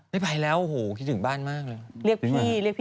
ไม่ไปแล้วโหคิดถึงบ้านมากเลย